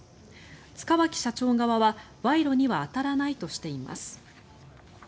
塚脇社長側は、賄賂には当たらないとしています。